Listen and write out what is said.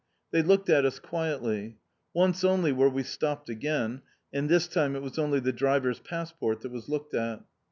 They looked at us quietly. Once only were we stopped again, and this time it was only the driver's passport that was looked at.